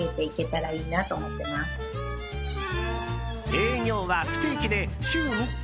営業は不定期で週３日。